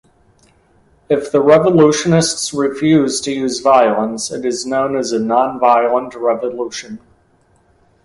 If the revolutionists refuse to use violence, it is known as a nonviolent revolution.